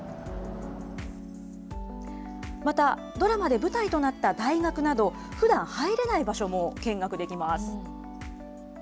また、ドラマで舞台となった大学など、ふだん入れない場所も見学できます。